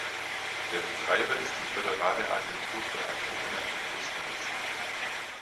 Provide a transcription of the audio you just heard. Der Betreiber ist die Föderale Agentur für Atomenergie Russlands.